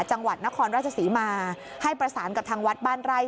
จังหวัดนครราชศรีมาให้ประสานกับทางวัดบ้านไร่